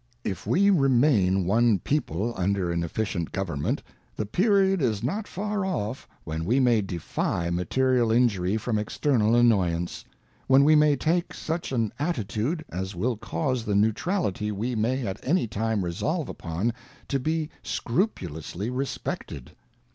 ŌĆö If we remain one People, under an efficient government, the period is not far off, when we may defy material injury from external annoyance ; when we may take such an atti tude as will cause the neutrality we may at any time resolve upon to be scrupulously respected.